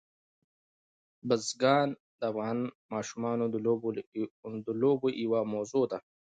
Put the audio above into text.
بزګان د افغان ماشومانو د لوبو یوه موضوع ده.